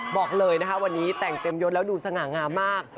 บอกเลยนะคะวันนี้แต่งเต็มยศแล้วดูสง่างามมาก